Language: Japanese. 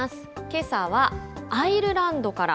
けさはアイルランドから。